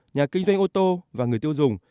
nhà kinh doanh ô tô và người tiêu dùng